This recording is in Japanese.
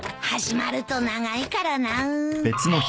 始まると長いからなぁ。